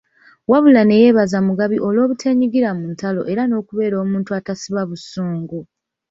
Wabula ne yeebaza Mugabi olw'obuteenyigira mu ntalo era n'okubeera omuntu atasiba busungu.